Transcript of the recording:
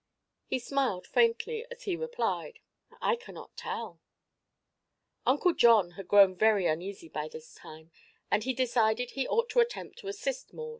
He smiled faintly as he replied: "I cannot tell." Uncle John had grown very uneasy by this time and he decided he ought to attempt to assist Maud.